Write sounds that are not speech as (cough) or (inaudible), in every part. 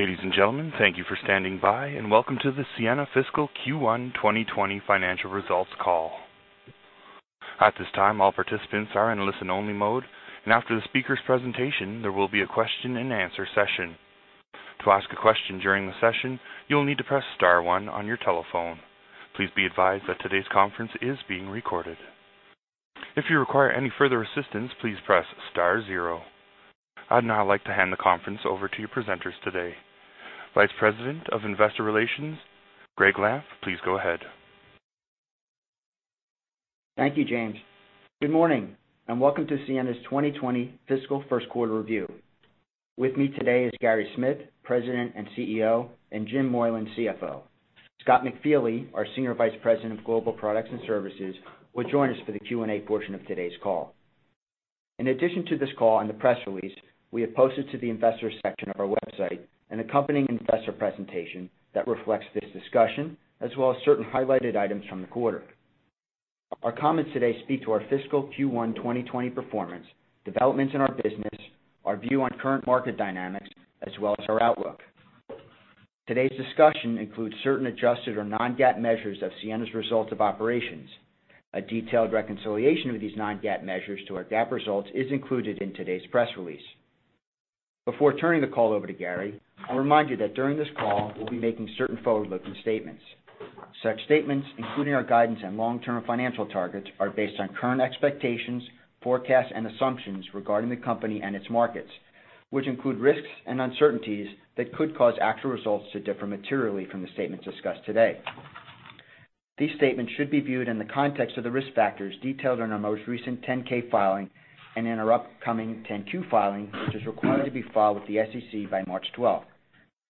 Ladies and gentlemen, thank you for standing by, and welcome to the Ciena Fiscal Q1 2020 financial results call. At this time, all participants are in listen-only mode, and after the speaker's presentation, there will be a question-and-answer session. To ask a question during the session, you'll need to press star one on your telephone. Please be advised that today's conference is being recorded. If you require any further assistance, please press star zero. I'd now like to hand the conference over to your presenters today. Vice President of Investor Relations, Gregg Lampf, please go ahead. Thank you, James. Good morning, and welcome to Ciena's 2020 fiscal first quarter review. With me today is Gary Smith, President and CEO, and Jim Moylan, CFO. Scott McFeely, our Senior Vice President of Global Products and Services, will join us for the Q&A portion of today's call. In addition to this call and the press release, we have posted to the investor section of our website an accompanying investor presentation that reflects this discussion, as well as certain highlighted items from the quarter. Our comments today speak to our fiscal Q1 2020 performance, developments in our business, our view on current market dynamics, as well as our outlook. Today's discussion includes certain adjusted or non-GAAP measures of Ciena's results of operations. A detailed reconciliation of these non-GAAP measures to our GAAP results is included in today's press release. Before turning the call over to Gary, I'll remind you that during this call, we'll be making certain forward-looking statements. Such statements, including our guidance and long-term financial targets, are based on current expectations, forecasts, and assumptions regarding the company and its markets, which include risks and uncertainties that could cause actual results to differ materially from the statements discussed today. These statements should be viewed in the context of the risk factors detailed in our most recent 10-K filing and in our upcoming 10-Q filing, which is required to be filed with the SEC by March 12th.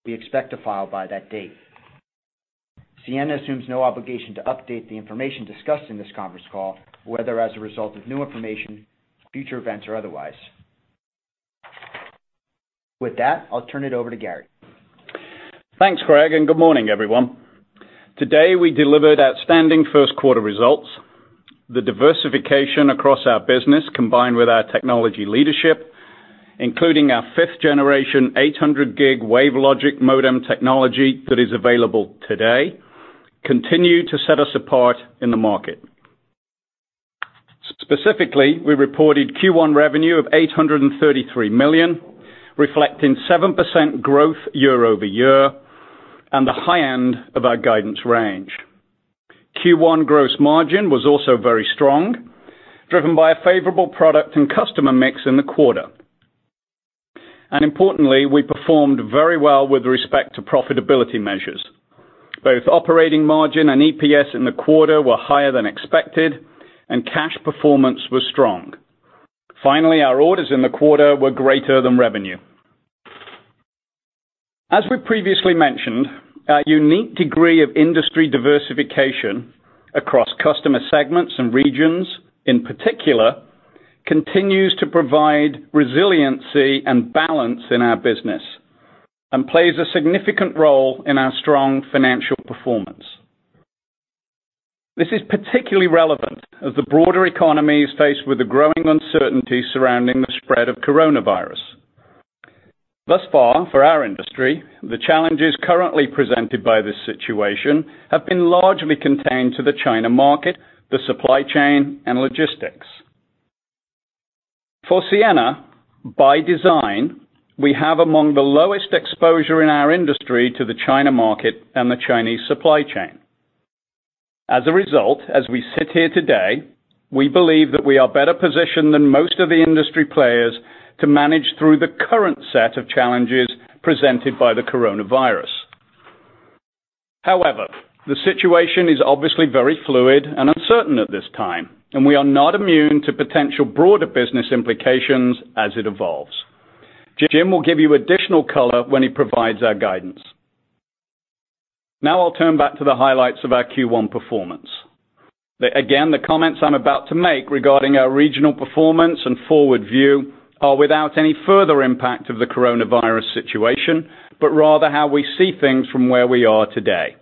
We expect to file by that date. Ciena assumes no obligation to update the information discussed in this conference call, whether as a result of new information, future events, or otherwise. With that, I'll turn it over to Gary. Thanks, Gregg, and good morning, everyone. Today, we delivered outstanding first quarter results. The diversification across our business, combined with our technology leadership, including our 5th-generation 800G WaveLogic modem technology that is available today, continue to set us apart in the market. Specifically, we reported Q1 revenue of $833 million, reflecting 7% growth year-over-year and the high end of our guidance range. Q1 gross margin was also very strong, driven by a favorable product and customer mix in the quarter. And importantly, we performed very well with respect to profitability measures. Both operating margin and EPS in the quarter were higher than expected, and cash performance was strong. Finally, our orders in the quarter were greater than revenue. As we previously mentioned, our unique degree of industry diversification across customer segments and regions, in particular, continues to provide resiliency and balance in our business and plays a significant role in our strong financial performance. This is particularly relevant as the broader economy is faced with the growing uncertainty surrounding the spread of coronavirus. Thus far, for our industry, the challenges currently presented by this situation have been largely contained to the China market, the supply chain, and logistics. For Ciena, by design, we have among the lowest exposure in our industry to the China market and the Chinese supply chain. As a result, as we sit here today, we believe that we are better positioned than most of the industry players to manage through the current set of challenges presented by the coronavirus. However, the situation is obviously very fluid and uncertain at this time, and we are not immune to potential broader business implications as it evolves. Jim will give you additional color when he provides our guidance. Now, I'll turn back to the highlights of our Q1 performance. Again, the comments I'm about to make regarding our regional performance and forward view are without any further impact of the coronavirus situation, but rather how we see things from where we are today.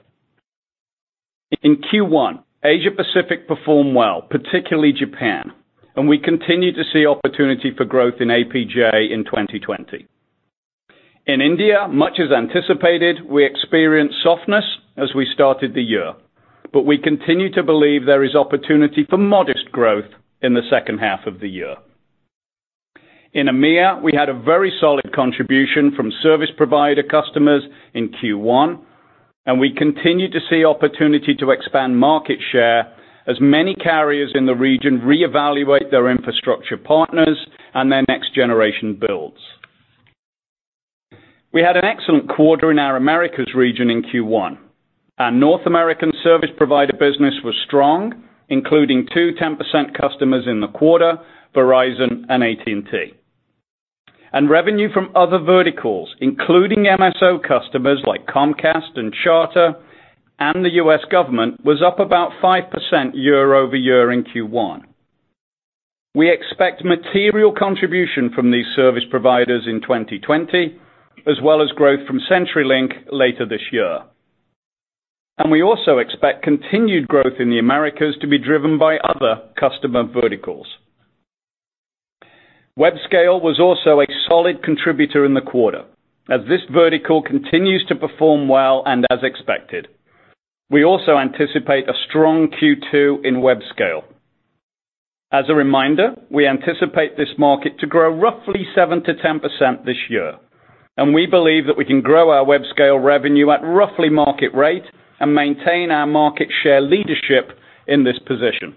In Q1, Asia-Pacific performed well, particularly Japan, and we continue to see opportunity for growth in APJ in 2020. In India, much as anticipated, we experienced softness as we started the year, but we continue to believe there is opportunity for modest growth in the second half of the year. In EMEA, we had a very solid contribution from service provider customers in Q1, and we continue to see opportunity to expand market share as many carriers in the region reevaluate their infrastructure partners and their next-generation builds. We had an excellent quarter in our Americas region in Q1. Our North American service provider business was strong, including two 10% customers in the quarter, Verizon and AT&T. And revenue from other verticals, including MSO customers like Comcast and Charter and the U.S. government, was up about 5% year-over-year in Q1. We expect material contribution from these service providers in 2020, as well as growth from CenturyLink later this year. And we also expect continued growth in the Americas to be driven by other customer verticals. Webscale was also a solid contributor in the quarter, as this vertical continues to perform well and as expected. We also anticipate a strong Q2 in Webscale. As a reminder, we anticipate this market to grow roughly 7-10% this year, and we believe that we can grow our Webscale revenue at roughly market rate and maintain our market share leadership in this position.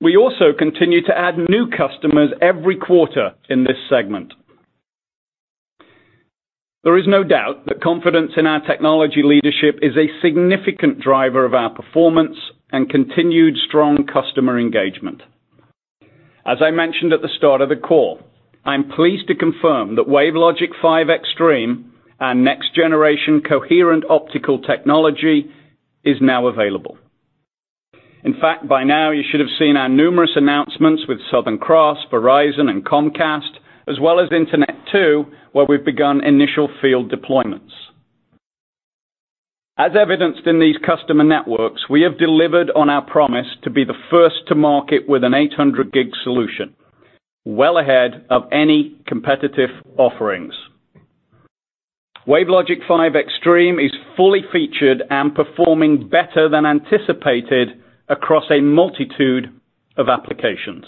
We also continue to add new customers every quarter in this segment. There is no doubt that confidence in our technology leadership is a significant driver of our performance and continued strong customer engagement. As I mentioned at the start of the call, I'm pleased to confirm that WaveLogic 5 Extreme, our next-generation coherent optical technology, is now available. In fact, by now, you should have seen our numerous announcements with Southern Cross, Verizon, and Comcast, as well as Internet2, where we've begun initial field deployments. As evidenced in these customer networks, we have delivered on our promise to be the first to market with an 800G solution, well ahead of any competitive offerings. WaveLogic 5 Extreme is fully featured and performing better than anticipated across a multitude of applications.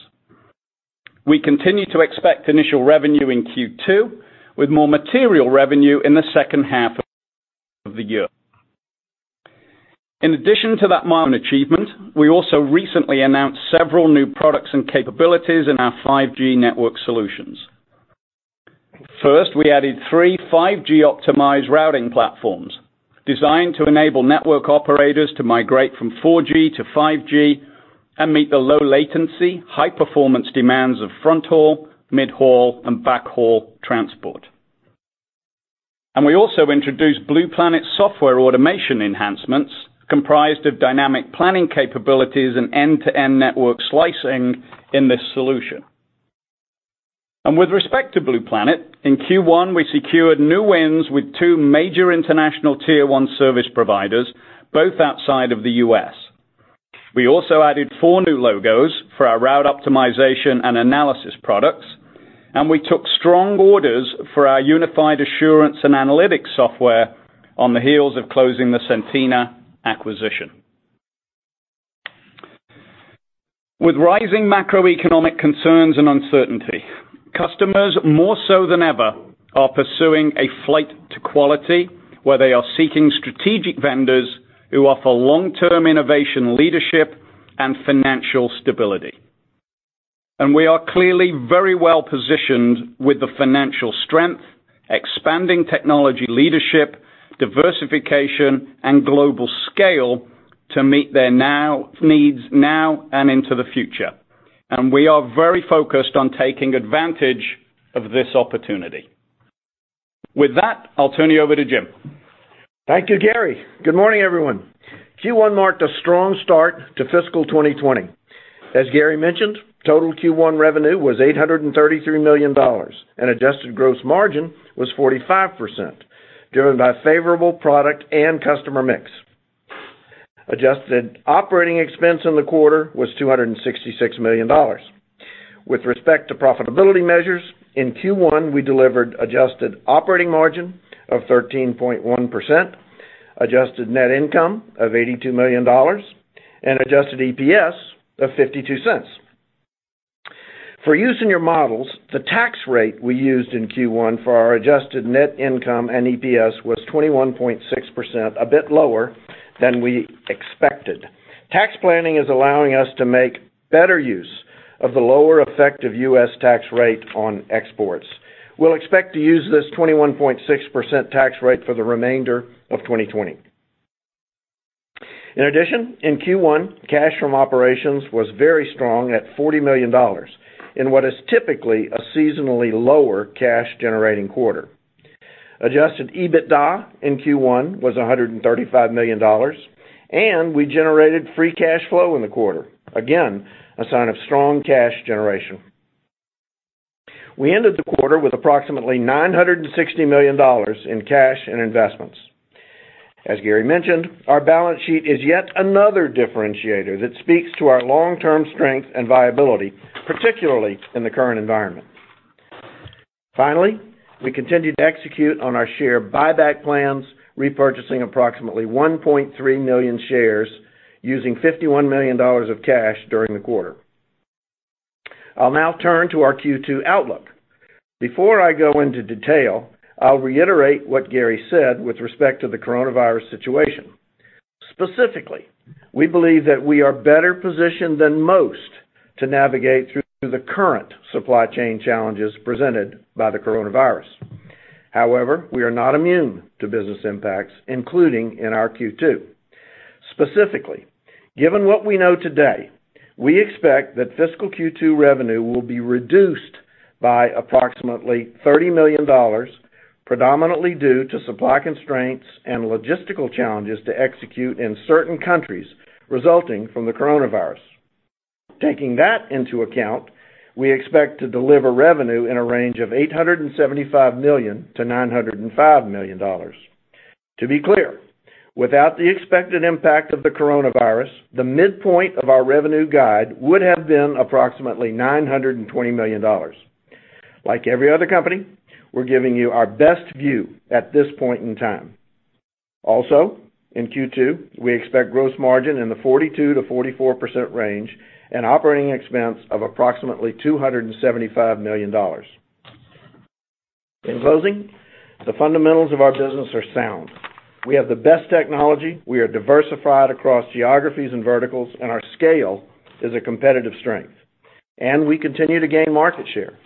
We continue to expect initial revenue in Q2, with more material revenue in the second half of the year. In addition to that market achievement, we also recently announced several new products and capabilities in our 5G network solutions. First, we added three 5G-optimized routing platforms designed to enable network operators to migrate from 4G to 5G and meet the low-latency, high-performance demands of fronthaul, midhaul, and backhaul transport, and we also introduced Blue Planet software automation enhancements, comprised of dynamic planning capabilities and end-to-end network slicing in this solution. And with respect to Blue Planet, in Q1, we secured new wins with two major international Tier 1 service providers, both outside of the U.S. We also added four new logos for our Route Optimization and Analysis products, and we took strong orders for our Unified Assurance and Analytics software on the heels of closing the Centina acquisition. With rising macroeconomic concerns and uncertainty, customers, more so than ever, are pursuing a flight to quality, where they are seeking strategic vendors who offer long-term innovation leadership and financial stability. And we are clearly very well positioned with the financial strength, expanding technology leadership, diversification, and global scale to meet their needs now and into the future. And we are very focused on taking advantage of this opportunity. With that, I'll turn you over to Jim. Thank you, Gary. Good morning, everyone. Q1 marked a strong start to fiscal 2020. As Gary mentioned, total Q1 revenue was $833 million, and adjusted gross margin was 45%, driven by favorable product and customer mix. Adjusted operating expense in the quarter was $266 million. With respect to profitability measures, in Q1, we delivered adjusted operating margin of 13.1%, adjusted net income of $82 million, and adjusted EPS of $0.52. For use in your models, the tax rate we used in Q1 for our adjusted net income and EPS was 21.6%, a bit lower than we expected. Tax planning is allowing us to make better use of the lower effective U.S. tax rate on exports. We'll expect to use this 21.6% tax rate for the remainder of 2020. In addition, in Q1, cash from operations was very strong at $40 million, in what is typically a seasonally lower cash-generating quarter. Adjusted EBITDA in Q1 was $135 million, and we generated free cash flow in the quarter, again, a sign of strong cash generation. We ended the quarter with approximately $960 million in cash and investments. As Gary mentioned, our balance sheet is yet another differentiator that speaks to our long-term strength and viability, particularly in the current environment. Finally, we continued to execute on our share buyback plans, repurchasing approximately 1.3 million shares using $51 million of cash during the quarter. I'll now turn to our Q2 outlook. Before I go into detail, I'll reiterate what Gary said with respect to the coronavirus situation. Specifically, we believe that we are better positioned than most to navigate through the current supply chain challenges presented by the coronavirus. However, we are not immune to business impacts, including in our Q2. Specifically, given what we know today, we expect that fiscal Q2 revenue will be reduced by approximately $30 million, predominantly due to supply constraints and logistical challenges to execute in certain countries resulting from the coronavirus. Taking that into account, we expect to deliver revenue in a range of $875 million-$905 million. To be clear, without the expected impact of the coronavirus, the midpoint of our revenue guide would have been approximately $920 million. Like every other company, we're giving you our best view at this point in time. Also, in Q2, we expect gross margin in the 42%-44% range and operating expense of approximately $275 million. In closing, the fundamentals of our business are sound. We have the best technology, we are diversified across geographies and verticals, and our scale is a competitive strength, and we continue to gain market share.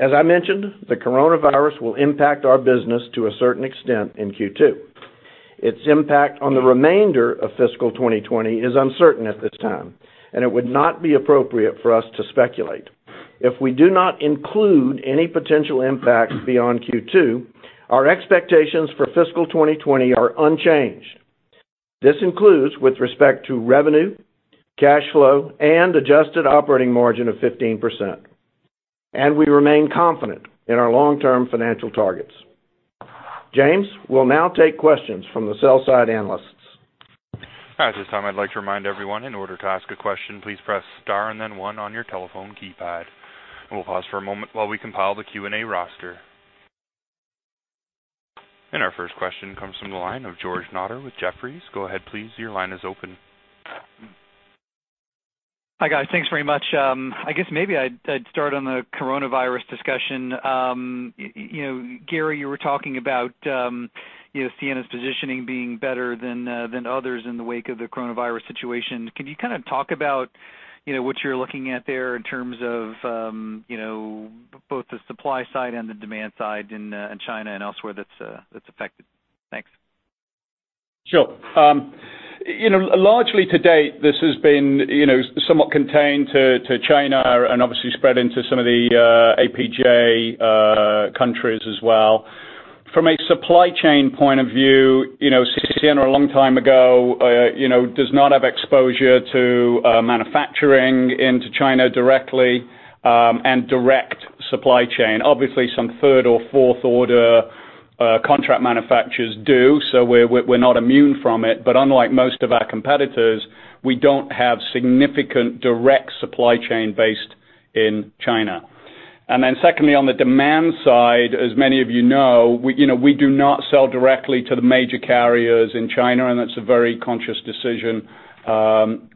As I mentioned, the coronavirus will impact our business to a certain extent in Q2. Its impact on the remainder of fiscal 2020 is uncertain at this time, and it would not be appropriate for us to speculate. If we do not include any potential impact beyond Q2, our expectations for fiscal 2020 are unchanged. This includes with respect to revenue, cash flow, and adjusted operating margin of 15%. And we remain confident in our long-term financial targets. James, we'll now take questions from the sell-side analysts. Hi. At this time, I'd like to remind everyone in order to ask a question, please press star and then one on your telephone keypad. We'll pause for a moment while we compile the Q&A roster. And our first question comes from the line of George Notter with Jefferies. Go ahead, please. Your line is open. Hi, guys. Thanks very much. I guess maybe I'd start on the coronavirus discussion. Gary, you were talking about Ciena's positioning being better than others in the wake of the coronavirus situation. Can you kind of talk about what you're looking at there in terms of both the supply side and the demand side in China and elsewhere that's affected? Thanks. Sure. Largely to date, this has been somewhat contained to China and obviously spread into some of the APJ countries as well. From a supply chain point of view, Ciena a long time ago does not have exposure to manufacturing into China directly and direct supply chain. Obviously, some third or fourth-order contract manufacturers do, so we're not immune from it. But unlike most of our competitors, we don't have significant direct supply chain based in China. And then secondly, on the demand side, as many of you know, we do not sell directly to the major carriers in China, and that's a very conscious decision on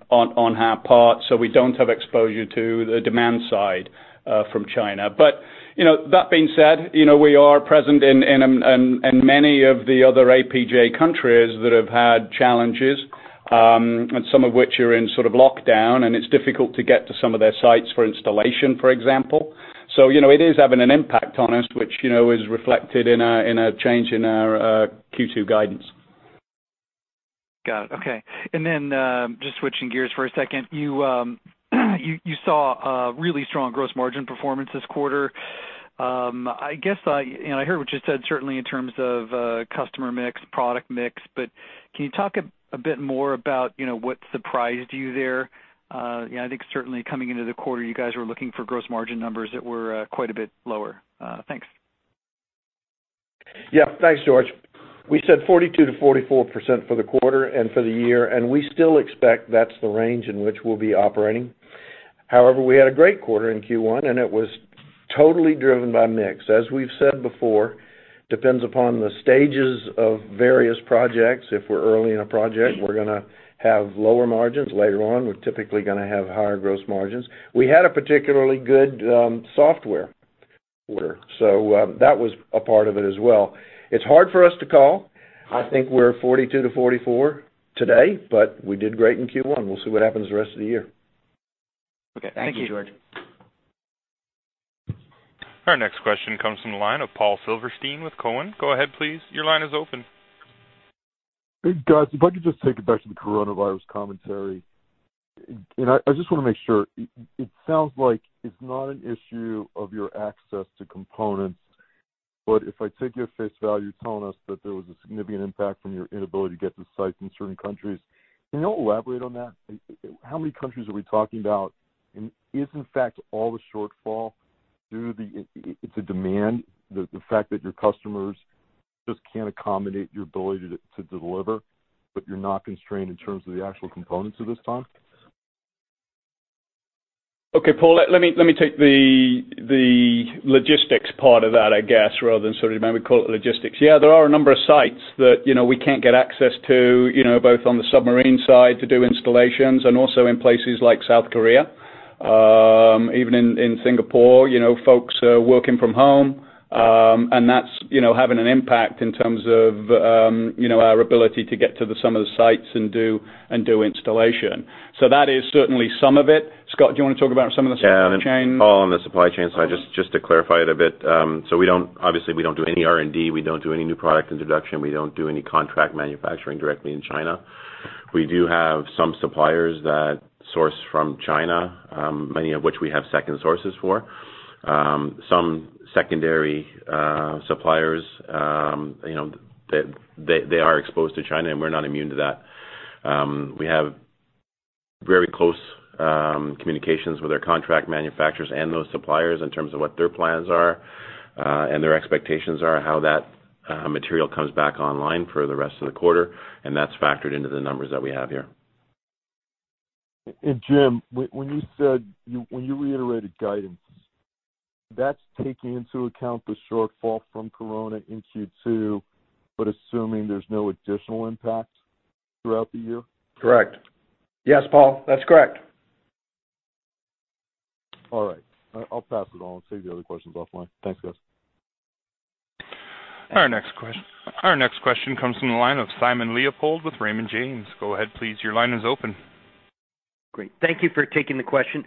our part. So we don't have exposure to the demand side from China. But that being said, we are present in many of the other APJ countries that have had challenges, and some of which are in sort of lockdown, and it's difficult to get to some of their sites for installation, for example. So it is having an impact on us, which is reflected in a change in our Q2 guidance. Got it. Okay. And then just switching gears for a second, you saw really strong gross margin performance this quarter. I guess I heard what you said, certainly in terms of customer mix, product mix. But can you talk a bit more about what surprised you there? I think certainly coming into the quarter, you guys were looking for gross margin numbers that were quite a bit lower. Thanks. Yeah. Thanks, George. We said 42%-44% for the quarter and for the year, and we still expect that's the range in which we'll be operating. However, we had a great quarter in Q1, and it was totally driven by mix. As we've said before, it depends upon the stages of various projects. If we're early in a project, we're going to have lower margins. Later on, we're typically going to have higher gross margins. We had a particularly good software quarter, so that was a part of it as well. It's hard for us to call. I think we're 42%-44% today, but we did great in Q1. We'll see what happens the rest of the year. Thank you, George. Our next question comes from the line of Paul Silverstein with Cowen. Go ahead, please. Your line is open. Guys, if I could just take it back to the coronavirus commentary. I just want to make sure. It sounds like it's not an issue of your access to components, but if I take your face value telling us that there was a significant impact from your inability to get to sites in certain countries, can you elaborate on that? How many countries are we talking about? And is, in fact, all the shortfall due to the demand, the fact that your customers just can't accommodate your ability to deliver, but you're not constrained in terms of the actual components at this time? Okay, Paul, let me take the logistics part of that, I guess, rather than sort of maybe call it logistics. Yeah, there are a number of sites that we can't get access to, both on the submarine side to do installations and also in places like South Korea, even in Singapore, folks working from home. And that's having an impact in terms of our ability to get to some of the sites and do installation. So that is certainly some of it. Scott, do you want to talk about some of the supply chain? Yeah. Paul, on the supply chain side, just to clarify it a bit. So obviously, we don't do any R&D. We don't do any new product introduction. We don't do any contract manufacturing directly in China. We do have some suppliers that source from China, many of which we have second sources for. Some secondary suppliers, they are exposed to China, and we're not immune to that. We have very close communications with our contract manufacturers and those suppliers in terms of what their plans are and their expectations are, how that material comes back online for the rest of the quarter. And that's factored into the numbers that we have here. Jim, when you reiterated guidance, that's taking into account the shortfall from coronavirus in Q2, but assuming there's no additional impact throughout the year? Correct. Yes, Paul, that's correct. All right. I'll pass it on and save the other questions offline. Thanks, guys. Our next question comes from the line of Simon Leopold with Raymond James. Go ahead, please. Your line is open. Great. Thank you for taking the question.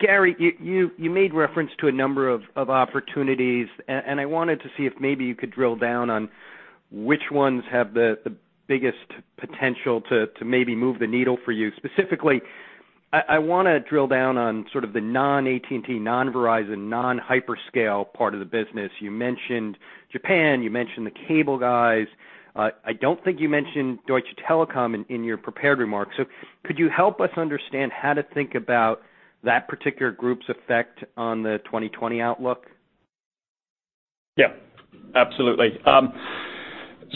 Gary, you made reference to a number of opportunities, and I wanted to see if maybe you could drill down on which ones have the biggest potential to maybe move the needle for you. Specifically, I want to drill down on sort of the non-AT&T, non-Verizon, non-hyperscale part of the business. You mentioned Japan. You mentioned the cable guys. I don't think you mentioned Deutsche Telekom in your prepared remarks. So could you help us understand how to think about that particular group's effect on the 2020 outlook? Yeah. Absolutely.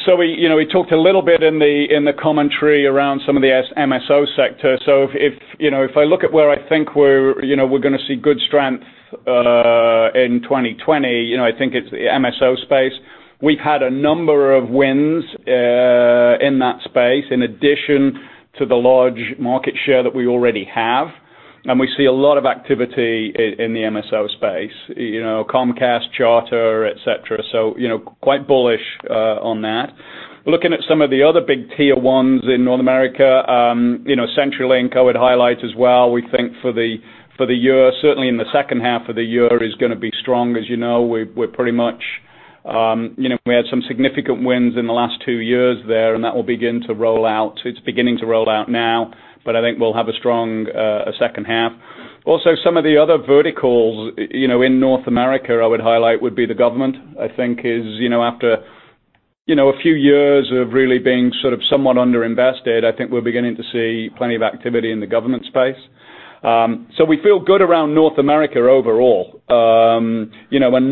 So we talked a little bit in the commentary around some of the MSO sector. So if I look at where I think we're going to see good strength in 2020, I think it's the MSO space. We've had a number of wins in that space in addition to the large market share that we already have. And we see a lot of activity in the MSO space: Comcast, Charter, etc. So quite bullish on that. Looking at some of the other big tier ones in North America, CenturyLink, I would highlight as well. We think for the year, certainly in the second half of the year, is going to be strong. As you know, we had some significant wins in the last two years there, and that will begin to roll out. It's beginning to roll out now, but I think we'll have a strong second half. Also, some of the other verticals in North America, I would highlight, would be the government. I think after a few years of really being sort of somewhat underinvested, I think we're beginning to see plenty of activity in the government space. So we feel good around North America overall, and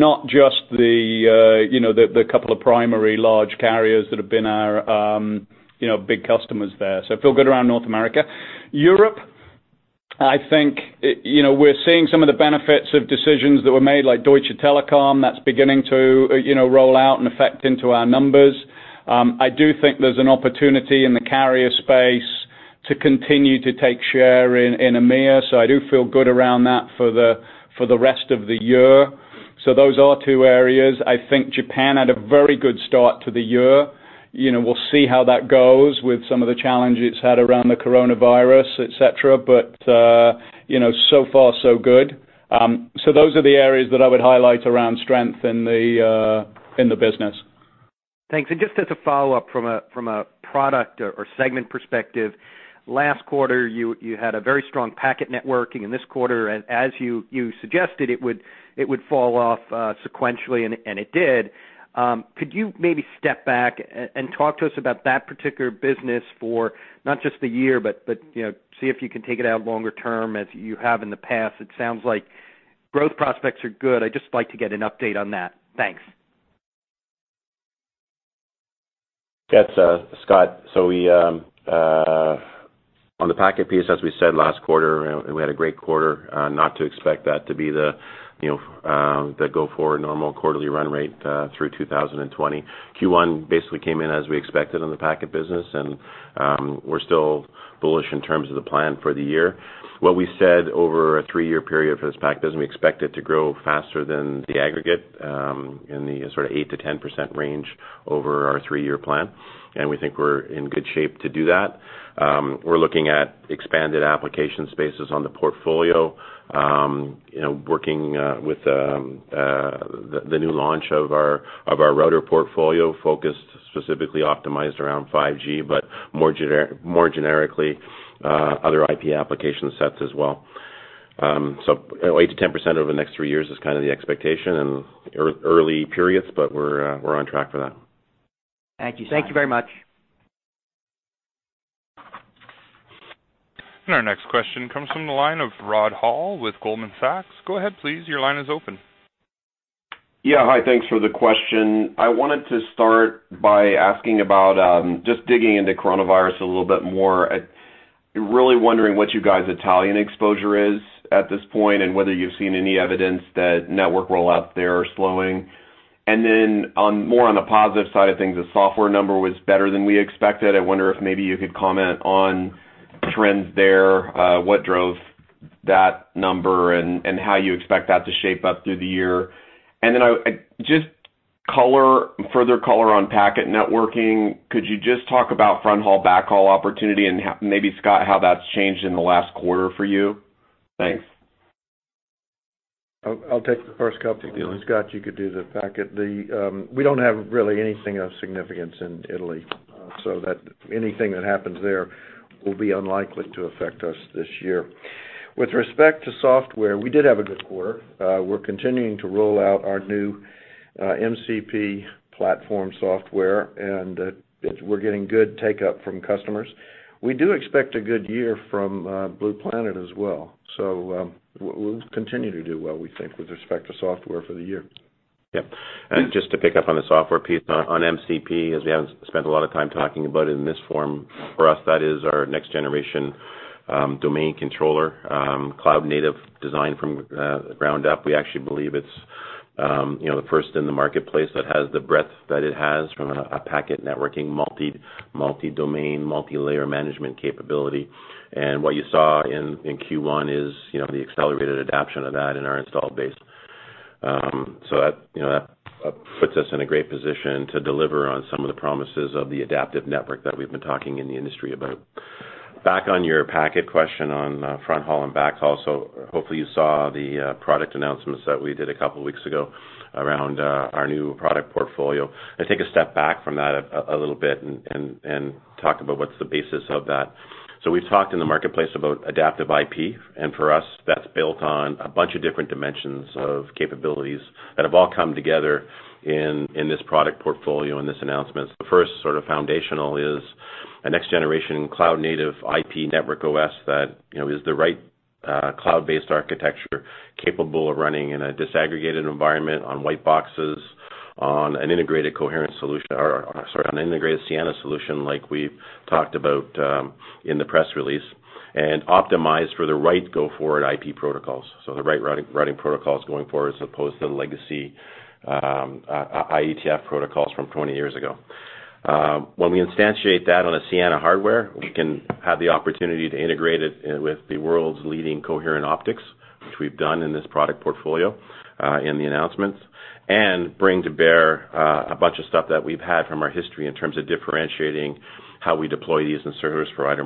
not just the couple of primary large carriers that have been our big customers there. So I feel good around North America. Europe, I think we're seeing some of the benefits of decisions that were made, like Deutsche Telekom. That's beginning to roll out and affect into our numbers. I do think there's an opportunity in the carrier space to continue to take share in EMEA. So I do feel good around that for the rest of the year. So those are two areas. I think Japan had a very good start to the year. We'll see how that goes with some of the challenges it's had around the coronavirus, etc. But so far, so good. So those are the areas that I would highlight around strength in the business. Thanks. And just as a follow-up from a product or segment perspective, last quarter, you had a very strong packet networking. And this quarter, as you suggested, it would fall off sequentially, and it did. Could you maybe step back and talk to us about that particular business for not just the year, but see if you can take it out longer term as you have in the past? It sounds like growth prospects are good. I'd just like to get an update on that. Thanks. Scott, so on the packet piece, as we said last quarter, we had a great quarter. Not to expect that to be the go-forward normal quarterly run rate through 2020. Q1 basically came in as we expected on the packet business, and we're still bullish in terms of the plan for the year. What we said over a three-year period for this packet is we expect it to grow faster than the aggregate in the sort of 8%-10% range over our three-year plan. And we think we're in good shape to do that. We're looking at expanded application spaces on the portfolio, working with the new launch of our router portfolio focused, specifically optimized around 5G, but more generically, other IP application sets as well. So 8%-10% over the next three years is kind of the expectation and early periods, but we're on track for that. Thank you, Thank you very much. Our next question comes from the line of Rod Hall with Goldman Sachs. Go ahead, please. Your line is open. Yeah. Hi. Thanks for the question. I wanted to start by asking about just digging into coronavirus a little bit more. Really wondering what you guys' Italian exposure is at this point and whether you've seen any evidence that network rollouts there are slowing. And then more on the positive side of things, the software number was better than we expected. I wonder if maybe you could comment on trends there, what drove that number, and how you expect that to shape up through the year. And then just further color on packet networking, could you just talk about fronthaul, backhaul opportunity, and maybe, Scott, how that's changed in the last quarter for you? Thanks. I'll take the first couple. Scott, you could do the packet. We don't have really anything of significance in Italy, so anything that happens there will be unlikely to affect us this year. With respect to software, we did have a good quarter. We're continuing to roll out our new MCP platform software, and we're getting good take-up from customers. We do expect a good year from Blue Planet as well. So we'll continue to do well, we think, with respect to software for the year. Yeah. And just to pick up on the software piece, on MCP, as we haven't spent a lot of time talking about it in this form, for us, that is our next-generation domain controller, cloud-native design from the ground up. We actually believe it's the first in the marketplace that has the breadth that it has from a packet networking, multi-domain, multi-layer management capability. And what you saw in Q1 is the accelerated adoption of that in our installed base. So that puts us in a great position to deliver on some of the promises of the Adaptive Network that we've been talking in the industry about. Back on your packet question on fronthaul and backhaul, so hopefully you saw the product announcements that we did a couple of weeks ago around our new product portfolio. I'll take a step back from that a little bit and talk about what's the basis of that. So we've talked in the marketplace about Adaptive IP, and for us, that's built on a bunch of different dimensions of capabilities that have all come together in this product portfolio and this announcement. The first sort of foundational is a next-generation cloud-native IP network OS that is the right cloud-based architecture capable of running in a disaggregated environment on white boxes, on an integrated Ciena solution like we talked about in the press release, and optimized for the right go-forward IP protocols. So the right routing protocols going forward as opposed to legacy IETF protocols from 20 years ago. When we instantiate that on a Ciena hardware, we can have the opportunity to integrate it with the world's leading coherent optics, which we've done in this product portfolio in the announcements, and bring to bear a bunch of stuff that we've had from our history in terms of differentiating how we deploy these in service provider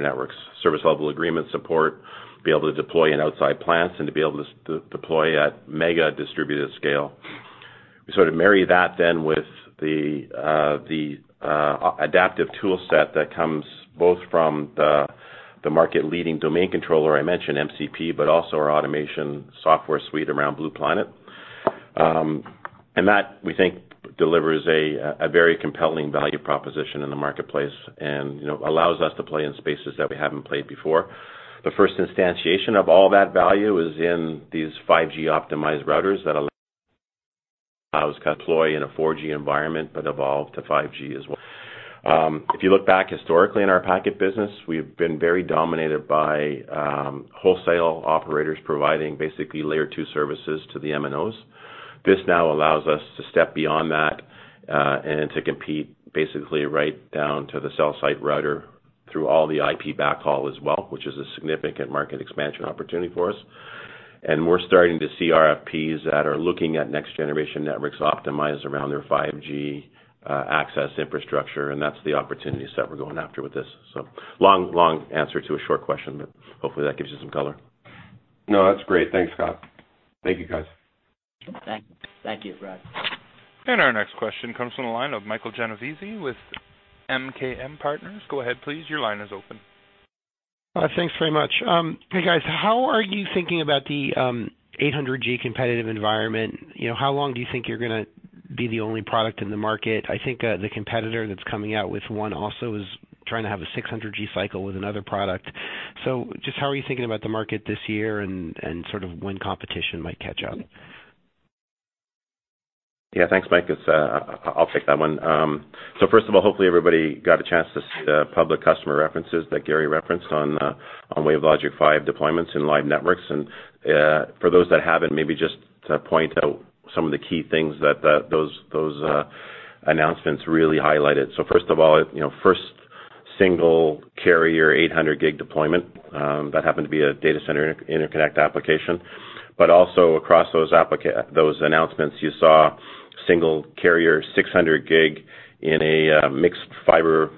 networks, service level agreement support, be able to deploy in outside plants, and to be able to deploy at mega distributed scale. We sort of marry that then with the adaptive toolset that comes both from the market-leading domain controller I mentioned, MCP, but also our automation software suite around Blue Planet, and that, we think, delivers a very compelling value proposition in the marketplace and allows us to play in spaces that we haven't played before. The first instantiation of all that value is in these 5G-optimized routers that allow us to deploy in a 4G environment but evolve to 5G as well. If you look back historically in our packet business, we've been very dominated by wholesale operators providing basically Layer 2 services to the MNOs. This now allows us to step beyond that and to compete basically right down to the cell site router through all the IP backhaul as well, which is a significant market expansion opportunity for us. And we're starting to see RFPs that are looking at next-generation networks optimized around their 5G access infrastructure. And that's the opportunities that we're going after with this. So long answer to a short question, but hopefully that gives you some color. No, that's great. Thanks, Scott. Thank you, guys. Thank you, Rod. And our next question comes from the line of Michael Genovese with MKM Partners. Go ahead, please. Your line is open. Thanks very much. Hey, guys, how are you thinking about the 800G competitive environment? How long do you think you're going to be the only product in the market? I think the competitor that's coming out with one also is trying to have a 600G cycle with another product. So just how are you thinking about the market this year and sort of when competition might catch up? Yeah. Thanks, Mike. I'll take that one. So first of all, hopefully everybody got a chance to see the public customer references that Gary referenced on WaveLogic 5 deployments in live networks. And for those that haven't, maybe just to point out some of the key things that those announcements really highlighted. So first of all, first single carrier 800 gig deployment. That happened to be a data center interconnect application. But also across those announcements, you saw single carrier 600 gig in a mixed fiber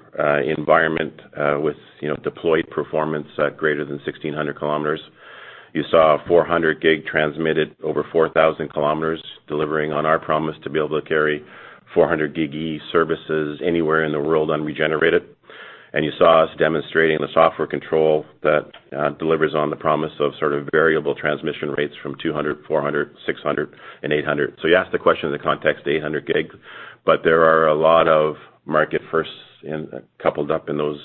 environment with deployed performance greater than 1,600 kilometers. You saw 400 gig transmitted over 4,000 kilometers delivering on our promise to be able to carry 400GbE services anywhere in the world unregenerated. And you saw us demonstrating the software control that delivers on the promise of sort of variable transmission rates from 200, 400, 600, and 800. So you asked the question in the context of 800 gig, but there are a lot of market firsts coupled up in those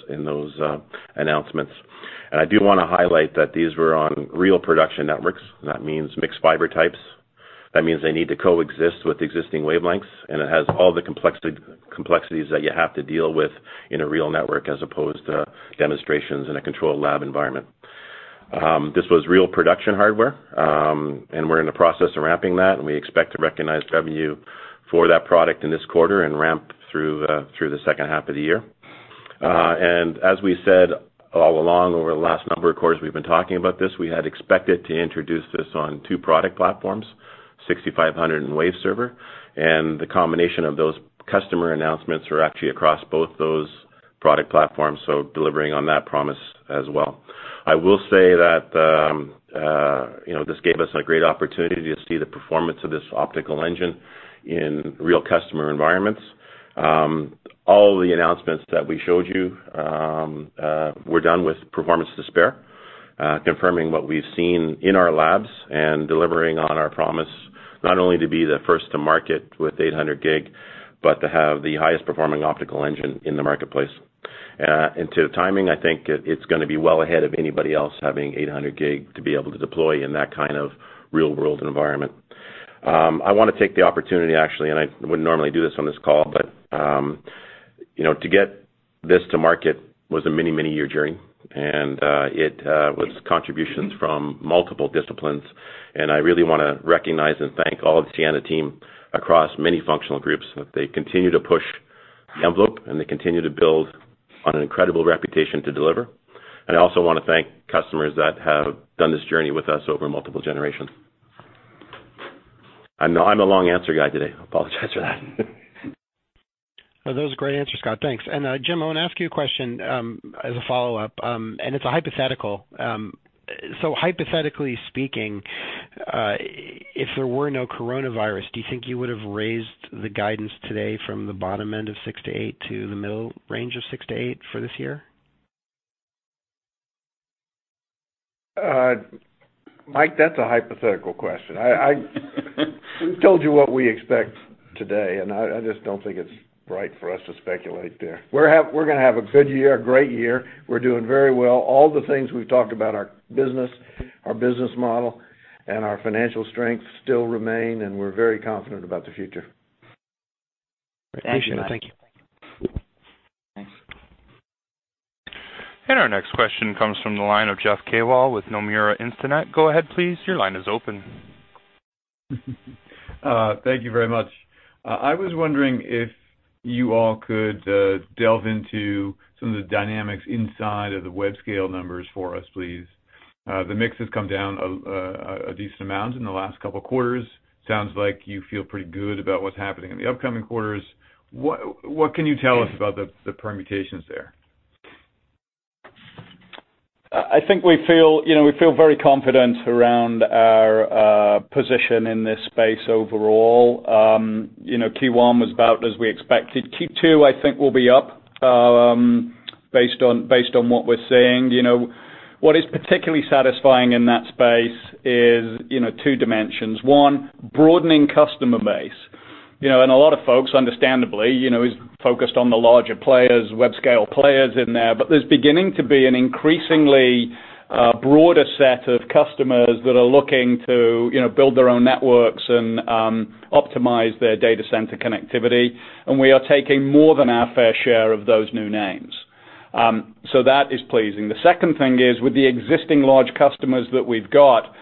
announcements. And I do want to highlight that these were on real production networks. That means mixed fiber types. That means they need to coexist with existing wavelengths, and it has all the complexities that you have to deal with in a real network as opposed to demonstrations in a controlled lab environment. This was real production hardware, and we're in the process of ramping that, and we expect to recognize revenue for that product in this quarter and ramp through the second half of the year. And as we said all along, over the last number of quarters we've been talking about this, we had expected to introduce this on two product platforms, 6500 and Waveserver. And the combination of those customer announcements were actually across both those product platforms, so delivering on that promise as well. I will say that this gave us a great opportunity to see the performance of this optical engine in real customer environments. All the announcements that we showed you were done with performance to spare, confirming what we've seen in our labs and delivering on our promise not only to be the first to market with 800 gig, but to have the highest performing optical engine in the marketplace. And to the timing, I think it's going to be well ahead of anybody else having 800 gig to be able to deploy in that kind of real-world environment. I want to take the opportunity, actually, and I wouldn't normally do this on this call, but to get this to market was a many, many year journey, and it was contributions from multiple disciplines. And I really want to recognize and thank all of the Ciena team across many functional groups that they continue to push the envelope, and they continue to build on an incredible reputation to deliver. And I also want to thank customers that have done this journey with us over multiple generations. I'm a long answer guy today. I apologize for that. Those are great answers, Scott. Thanks. And Jim, I want to ask you a question as a follow-up, and it's a hypothetical. So hypothetically speaking, if there were no coronavirus, do you think you would have raised the guidance today from the bottom end of 6-8 to the middle range of 6-8 for this year? Mike, that's a hypothetical question. We've told you what we expect today, and I just don't think it's right for us to speculate there. We're going to have a good year, a great year. We're doing very well. All the things we've talked about, our business, our business model, and our financial strength still remain, and we're very confident about the future. Thank you. Thank you. And our next question comes from the line of Jeff Kvaal with Nomura Instinet. Go ahead, please. Your line is open. Thank you very much. I was wondering if you all could delve into some of the dynamics inside of the Webscale numbers for us, please. The mix has come down a decent amount in the last couple of quarters. Sounds like you feel pretty good about what's happening in the upcoming quarters. What can you tell us about the permutations there? I think we feel very confident around our position in this space overall. Q1 was about as we expected. Q2, I think, will be up based on what we're seeing. What is particularly satisfying in that space is two dimensions. One, broadening customer base. And a lot of folks, understandably, is focused on the larger players, webscale players in there, but there's beginning to be an increasingly broader set of customers that are looking to build their own networks and optimize their data center connectivity. And we are taking more than our fair share of those new names. So that is pleasing. The second thing is, with the existing large customers that we've got,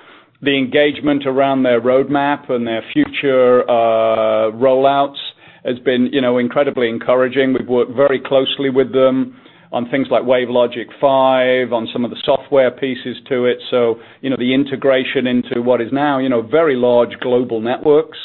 the engagement around their roadmap and their future rollouts has been incredibly encouraging. We've worked very closely with them on things like WaveLogic 5, on some of the software pieces to it. So the integration into what is now very large global networks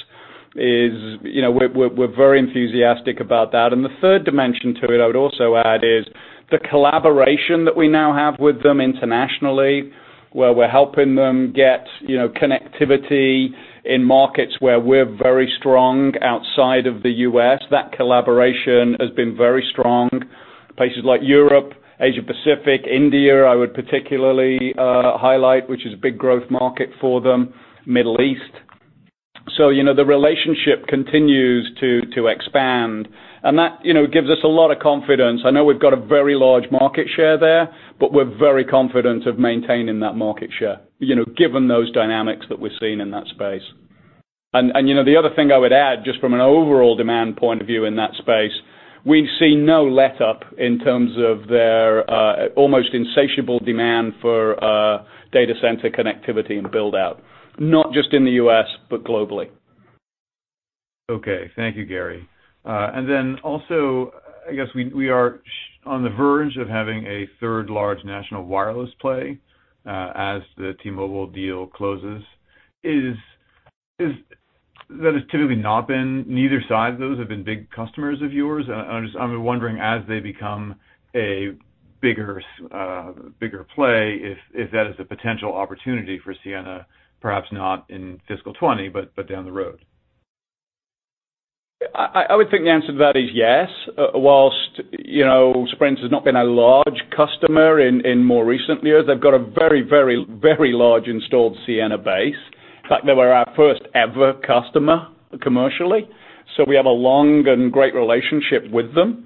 is. We're very enthusiastic about that. And the third dimension to it, I would also add, is the collaboration that we now have with them internationally, where we're helping them get connectivity in markets where we're very strong outside of the U.S. That collaboration has been very strong. Places like Europe, Asia-Pacific, India, I would particularly highlight, which is a big growth market for them, Middle East. So the relationship continues to expand, and that gives us a lot of confidence. I know we've got a very large market share there, but we're very confident of maintaining that market share given those dynamics that we're seeing in that space. And the other thing I would add, just from an overall demand point of view in that space, we've seen no let-up in terms of their almost insatiable demand for data center connectivity and build-out, not just in the U.S., but globally. Okay. Thank you, Gary. And then also, I guess we are on the verge of having a third large national wireless play as the T-Mobile deal closes. That has typically not been neither side of those have been big customers of yours. I'm wondering, as they become a bigger play, if that is a potential opportunity for Ciena, perhaps not in fiscal 2020, but down the road. I would think the answer to that is yes. While Sprint has not been a large customer in more recent years, they've got a very, very, very large installed Ciena base. In fact, they were our first ever customer commercially. So we have a long and great relationship with them.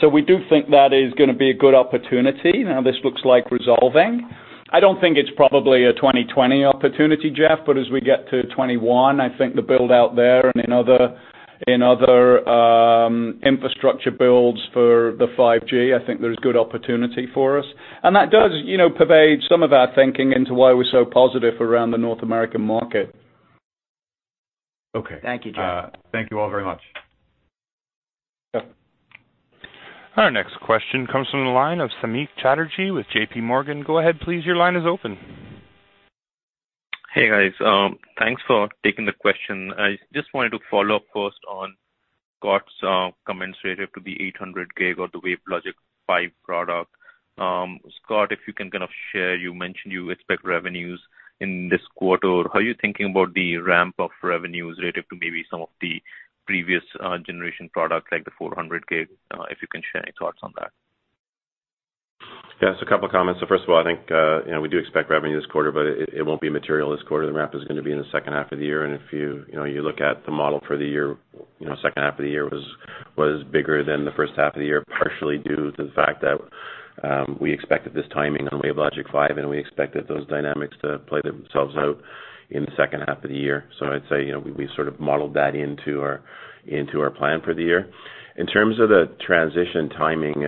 So we do think that is going to be a good opportunity. Now, this looks like resolving. I don't think it's probably a 2020 opportunity, Jeff, but as we get to 2021, I think the build-out there and in other infrastructure builds for the 5G, I think there's good opportunity for us. And that does pervade some of our thinking into why we're so positive around the North American market. Okay. Thank you all very much. Our next question comes from the line of Samik Chatterjee with JPMorgan. Go ahead, please. Your line is open. Hey, guys. Thanks for taking the question. I just wanted to follow up first on Scott's comments relative to the 800 gig or the WaveLogic 5 product. Scott, if you can kind of share, you mentioned you expect revenues in this quarter. How are you thinking about the ramp of revenues relative to maybe some of the previous generation products like the 400 gig? If you can share your thoughts on that. Yeah. So a couple of comments. So first of all, I think we do expect revenue this quarter, but it won't be material this quarter. The ramp is going to be in the second half of the year. And if you look at the model for the year, second half of the year was bigger than the first half of the year, partially due to the fact that we expected this timing on WaveLogic 5, and we expected those dynamics to play themselves out in the second half of the year. So I'd say we sort of modeled that into our plan for the year. In terms of the transition timing,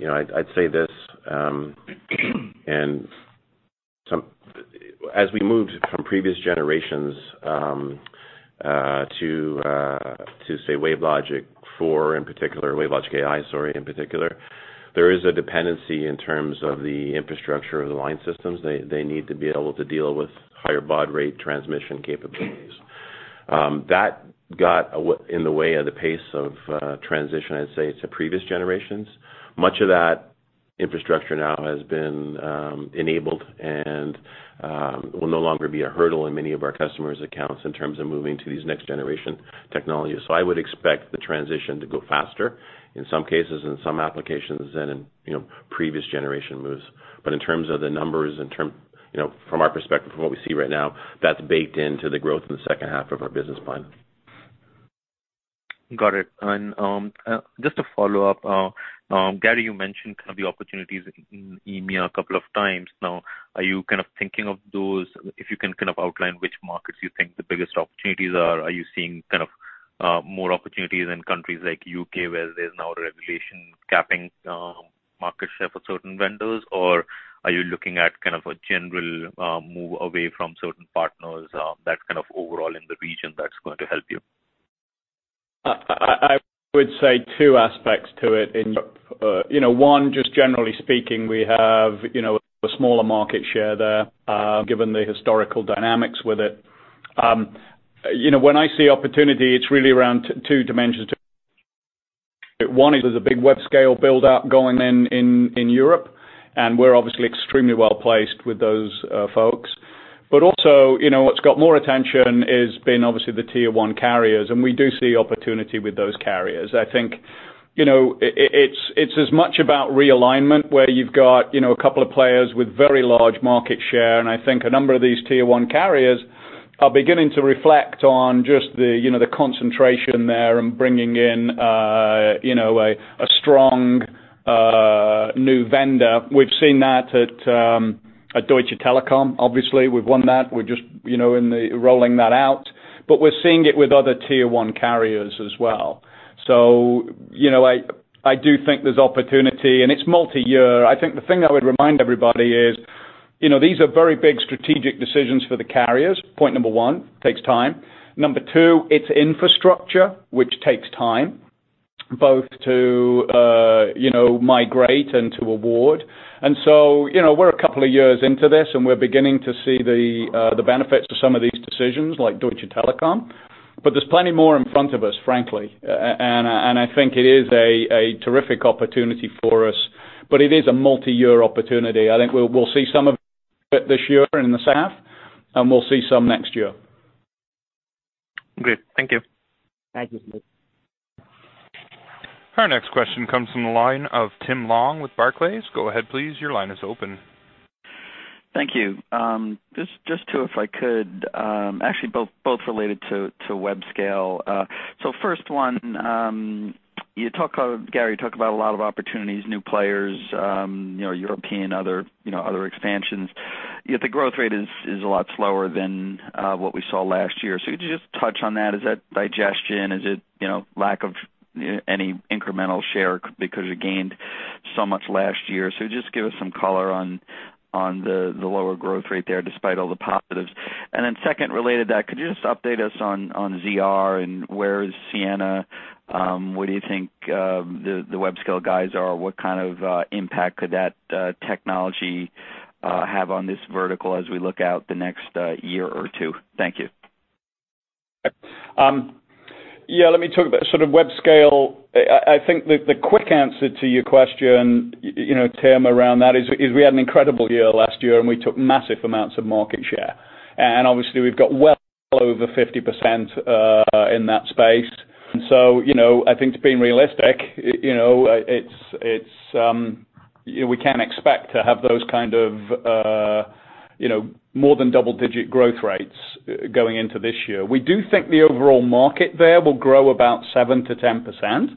I'd say this. And as we moved from previous generations to, say, WaveLogic 4 in particular, WaveLogic Ai, sorry, in particular, there is a dependency in terms of the infrastructure of the line systems. They need to be able to deal with higher baud rate transmission capabilities. That got in the way of the pace of transition, I'd say, to previous generations. Much of that infrastructure now has been enabled and will no longer be a hurdle in many of our customers' accounts in terms of moving to these next-generation technologies. So I would expect the transition to go faster in some cases in some applications than in previous generation moves. But in terms of the numbers, from our perspective, from what we see right now, that's baked into the growth in the second half of our business plan. Got it. And just to follow up, Gary, you mentioned kind of the opportunities in EMEA a couple of times. Now, are you kind of thinking of those? If you can kind of outline which markets you think the biggest opportunities are, are you seeing kind of more opportunities in countries like the UK where there's now a regulation capping market share for certain vendors, or are you looking at kind of a general move away from certain partners that's kind of overall in the region that's going to help you? I would say two aspects to it. One, just generally speaking, we have a smaller market share there given the historical dynamics with it. When I see opportunity, it's really around two dimensions. One is there's a big webscale build-out going in Europe, and we're obviously extremely well placed with those folks. But also, what's got more attention has been obviously the tier one carriers, and we do see opportunity with those carriers. I think it's as much about realignment where you've got a couple of players with very large market share, and I think a number of these tier one carriers are beginning to reflect on just the concentration there and bringing in a strong new vendor. We've seen that at Deutsche Telekom, obviously. We've won that. We're just rolling that out, but we're seeing it with other tier one carriers as well. So I do think there's opportunity, and it's multi-year. I think the thing I would remind everybody is these are very big strategic decisions for the carriers. Point number one, takes time. Number two, it's infrastructure, which takes time both to migrate and to award. And so we're a couple of years into this, and we're beginning to see the benefits of some of these decisions like Deutsche Telekom. But there's plenty more in front of us, frankly, and I think it is a terrific opportunity for us, but it is a multi-year opportunity. I think we'll see some of it this year in the second half, and we'll see some next year. Great. Thank you. Thank you, Samik Our next question comes from the line of Tim Long with Barclays. Go ahead, please. Your line is open. Thank you. Just two if I could, actually both related to webscale. So first one, Gary, you talk about a lot of opportunities, new players, European, other expansions. The growth rate is a lot slower than what we saw last year. So could you just touch on that? Is that digestion? Is it lack of any incremental share because you gained so much last year? So just give us some color on the lower growth rate there despite all the positives. And then second, related to that, could you just update us on ZR and where is Ciena? Where do you think the webscale guys are? What kind of impact could that technology have on this vertical as we look out the next year or two? Thank you. Yeah. Let me talk about sort of Webscale. I think the quick answer to your question, Tim, around that is we had an incredible year last year, and we took massive amounts of market share. And obviously, we've got well over 50% in that space. And so I think to be realistic, we can't expect to have those kind of more than double-digit growth rates going into this year. We do think the overall market there will grow about 7%-10%,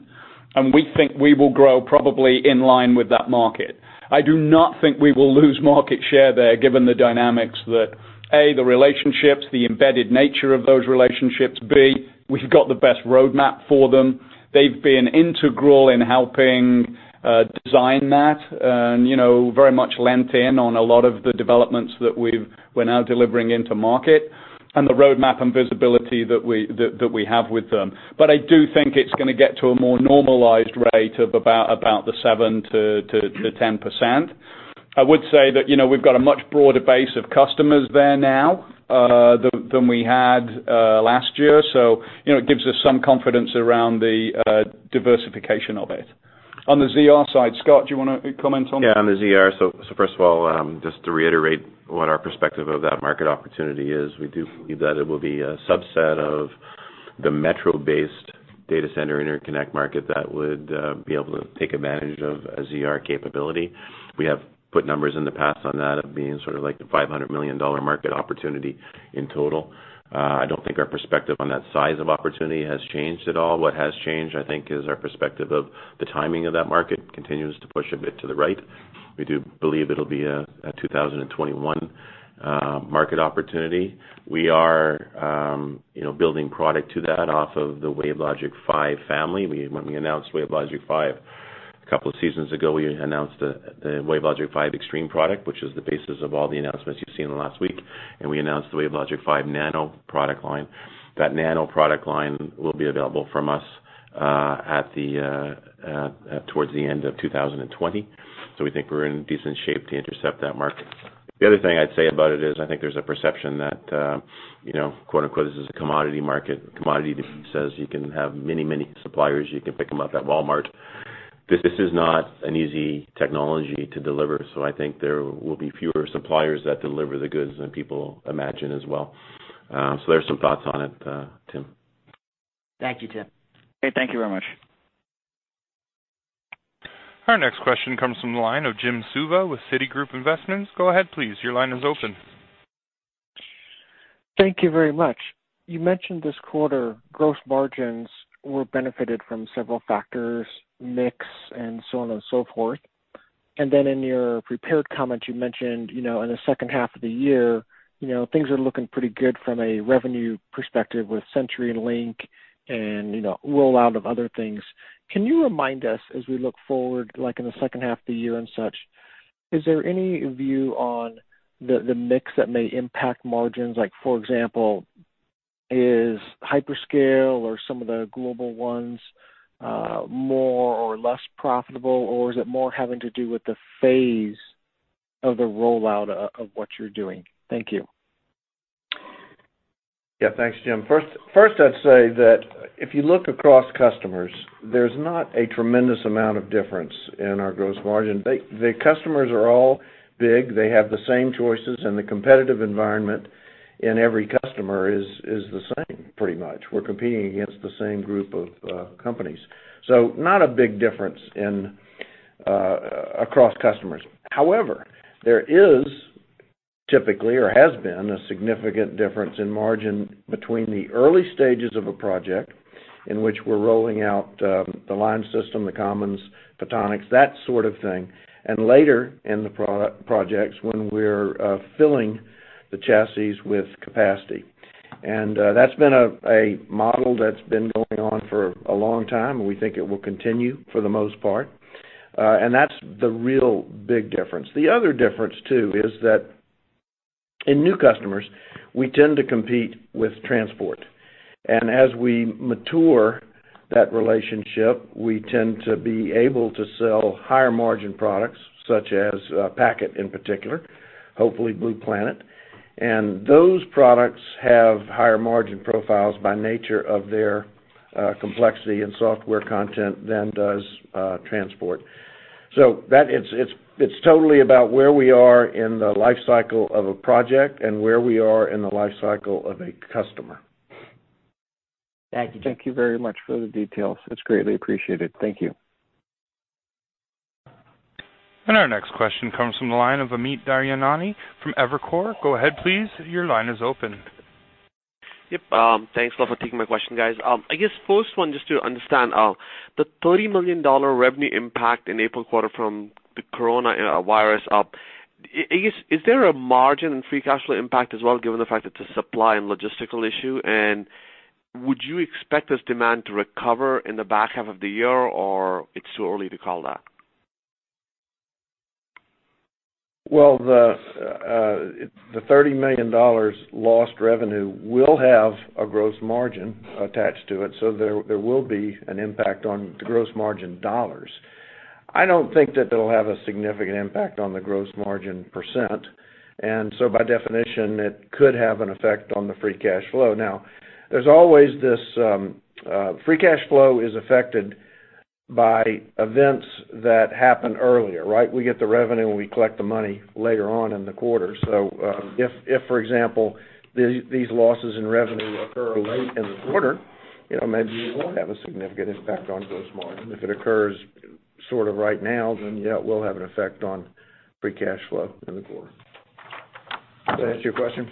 and we think we will grow probably in line with that market. I do not think we will lose market share there given the dynamics that, A, the relationships, the embedded nature of those relationships, B, we've got the best roadmap for them. They've been integral in helping design that and very much lent in on a lot of the developments that we're now delivering into market and the roadmap and visibility that we have with them. But I do think it's going to get to a more normalized rate of about the 7%-10%. I would say that we've got a much broader base of customers there now than we had last year. So it gives us some confidence around the diversification of it. On the ZR side, Scott, do you want to comment on that? Yeah. On the ZR, so first of all, just to reiterate what our perspective of that market opportunity is, we do believe that it will be a subset of the metro-based data center interconnect market that would be able to take advantage of a ZR capability. We have put numbers in the past on that of being sort of like a $500 million market opportunity in total. I don't think our perspective on that size of opportunity has changed at all. What has changed, I think, is our perspective of the timing of that market continues to push a bit to the right. We do believe it'll be a 2021 market opportunity. We are building product to that off of the WaveLogic 5 family. When we announced WaveLogic 5 a couple of seasons ago, we announced the WaveLogic 5 Extreme product, which is the basis of all the announcements you've seen in the last week. And we announced the WaveLogic 5 Nano product line. That Nano product line will be available from us towards the end of 2020. So we think we're in decent shape to intercept that market. The other thing I'd say about it is I think there's a perception that, quote-unquote, "this is a commodity market." Commodity says you can have many, many suppliers. You can pick them up at Walmart. This is not an easy technology to deliver. So I think there will be fewer suppliers that deliver the goods than people imagine as well. So there's some thoughts on it, Tim. Thank you, Tim. Hey, thank you very much. Our next question comes from the line of Jim Suva with Citigroup Investments. Go ahead, please. Your line is open. Thank you very much. You mentioned this quarter gross margins were benefited from several factors, mix and so on and so forth, and then in your prepared comments, you mentioned in the second half of the year, things are looking pretty good from a revenue perspective with CenturyLink and rollout of other things. Can you remind us as we look forward, like in the second half of the year and such, is there any view on the mix that may impact margins? Like, for example, is hyperscale or some of the global ones more or less profitable, or is it more having to do with the phase of the rollout of what you're doing? Thank you. Yeah. Thanks, Jim. First, I'd say that if you look across customers, there's not a tremendous amount of difference in our gross margin. The customers are all big. They have the same choices, and the competitive environment in every customer is the same, pretty much. We're competing against the same group of companies. So not a big difference across customers. However, there is typically or has been a significant difference in margin between the early stages of a project in which we're rolling out the line system, the commons, photonics, that sort of thing, and later in the projects when we're filling the chassis with capacity. And that's been a model that's been going on for a long time, and we think it will continue for the most part. And that's the real big difference. The other difference, too, is that in new customers, we tend to compete with transport. And as we mature that relationship, we tend to be able to sell higher margin products such as packet in particular, hopefully Blue Planet. And those products have higher margin profiles by nature of their complexity and software content than does transport. So it's totally about where we are in the life cycle of a project and where we are in the life cycle of a customer. Thank you very much for the details. It's greatly appreciated. Thank you. Our next question comes from the line of Amit Daryanani from Evercore. Go ahead, please. Your line is open. Yep. Thanks a lot for taking my question, guys. I guess first one, just to understand, the $30 million revenue impact in April quarter from the coronavirus, is there a margin and free cash flow impact as well given the fact that it's a supply and logistical issue? And would you expect this demand to recover in the back half of the year, or it's too early to call that? The $30 million lost revenue will have a gross margin attached to it, so there will be an impact on the gross margin dollars. I don't think that it'll have a significant impact on the gross margin percent. And so by definition, it could have an effect on the free cash flow. Now, there's always this free cash flow is affected by events that happen earlier, right? We get the revenue, and we collect the money later on in the quarter. So if, for example, these losses in revenue occur late in the quarter, maybe it will have a significant impact on gross margin. If it occurs sort of right now, then yeah, it will have an effect on free cash flow in the quarter. Does that answer your question?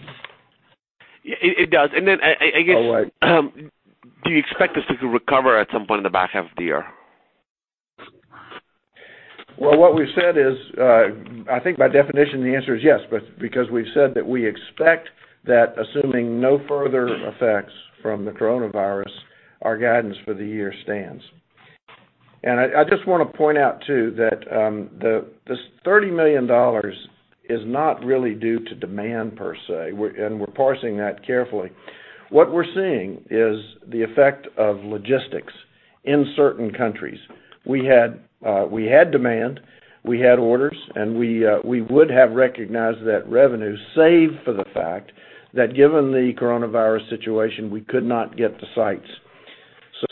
It does. And then I guess. Oh, wait. Do you expect this to recover at some point in the back half of the year? What we've said is I think by definition, the answer is yes, but because we've said that we expect that assuming no further effects from the coronavirus, our guidance for the year stands. And I just want to point out, too, that this $30 million is not really due to demand per se, and we're parsing that carefully. What we're seeing is the effect of logistics in certain countries. We had demand, we had orders, and we would have recognized that revenue save for the fact that given the coronavirus situation, we could not get the sites.